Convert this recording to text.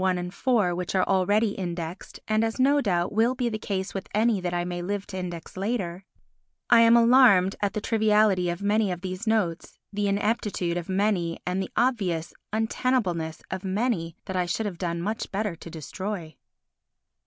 I and IV which are already indexed and as, no doubt, will be the case with any that I may live to index later, I am alarmed at the triviality of many of these notes, the ineptitude of many and the obvious untenableness of many that I should have done much better to destroy.